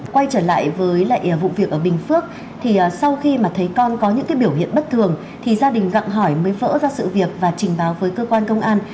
quay trở lại với lại vụ việc ở bình phước thì sau khi mà thấy con có những biểu hiện bất thường thì gia đình gặng hỏi mới vỡ ra sự việc và trình báo với cơ quan công an